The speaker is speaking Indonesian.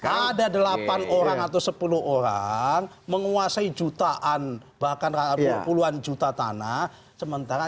ada delapan orang atau sepuluh orang menguasai jutaan bahkan puluhan juta tanah sementara